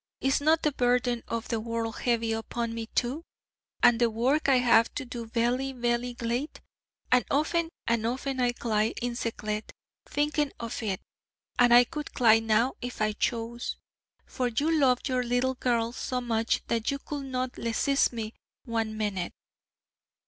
Is not the burden of the world heavy upon me, too? and the work I have to do vely, vely gleat? And often and often I cly in seclet, thinking of it: and I could cly now if I chose, for you love your little girl so much, that you could not lesist me one minute....'